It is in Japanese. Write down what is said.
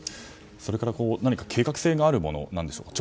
それから、何か計画性があるものなんでしょうか。